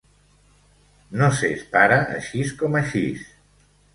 No s'és pare axis com axis